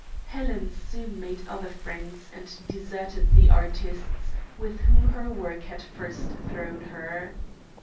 Helen soon made other friends, and deserted the artists, with whom her work had first thrown her.